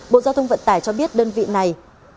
bộ giao thông vận tải cho biết đơn vị này